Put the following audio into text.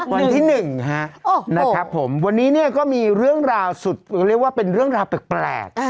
วันที่๑นะครับผมวันนี้เนี่ยก็มีเรื่องราวสุดเรียกว่าเป็นเรื่องราวแปลก